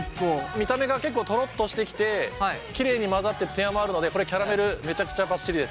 見た目が結構トロッとしてきてきれいに混ざって艶もあるのでこれキャラメルめちゃくちゃばっちりです。